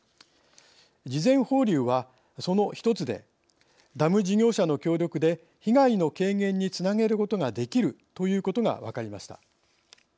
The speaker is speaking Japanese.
事前放流はその一つでダム事業者の協力で被害の軽減につなげることができるということが分かりました。